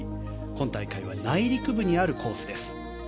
今大会は内陸部にあるコースです。